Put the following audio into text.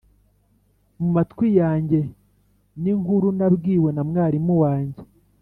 mumatwi yanjye ninkuru nabwiwe na mwarimu wanjye